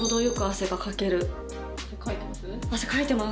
汗かいてます